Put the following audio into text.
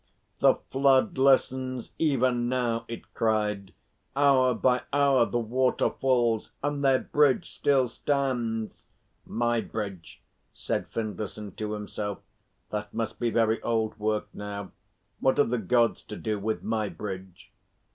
"The flood lessens even now," it cried. "Hour by hour the water falls, and their bridge still stands!" "My bridge," said Findlayson to himself "That must be very old work now. What have the Gods to do with my bridge?"